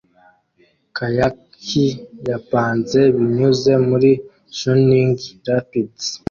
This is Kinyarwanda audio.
Kayakier yapanze binyuze muri churning rapids